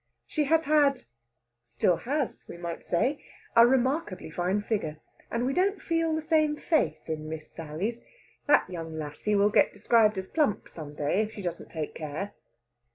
She has had still has, we might say a remarkably fine figure, and we don't feel the same faith in Miss Sally's. That young lassie will get described as plump some day, if she doesn't take care.